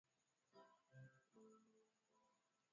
Binadamu hushambuliwa na ugonjwa wa kichaa cha mbwa